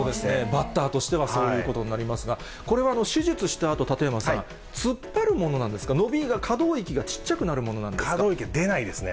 バッターとしてはそういうことになりますが、これは手術したあと、館山さん、突っ張るものなんですが、伸びが、可動域がちっちゃく可動域が出ないですね。